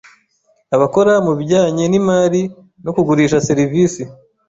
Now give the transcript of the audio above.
Abakora mu bijyanye n’imari no kugurisha serivisi